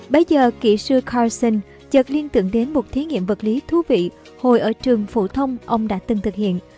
bây giờ kỵ sư carson chợt liên tượng đến một thí nghiệm vật lý thú vị hồi ở trường phụ thông ông đã từng thực hiện